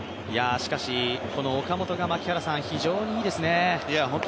岡本が非常にいいですね。